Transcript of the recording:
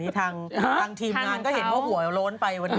ทางทีมงานก็เห็นว่าหัวโล้นไปวันนี้